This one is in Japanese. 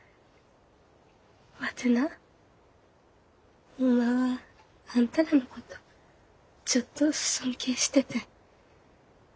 ワテなホンマはあんたらのことちょっと尊敬しててん。